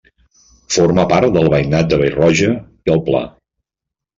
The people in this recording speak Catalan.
Forma part del veïnat de Vallroja i el Pla.